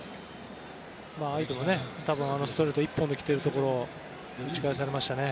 相手もストレート一本で来てるところを打ち返されましたね。